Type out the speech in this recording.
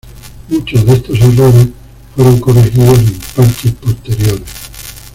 Muchos de estos errores fueron corregidos en parches posteriores.